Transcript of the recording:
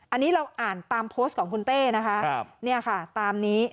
อันนี้เราอ่านตามโพสต์ของคุณเต้ตามนี้